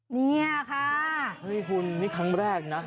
นี่ค่ะนี่คุณนี่ครั้งแรกนะ